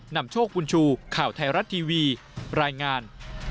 นำโชคบุญชูข่าวไทยรัฐทีวีรายงาน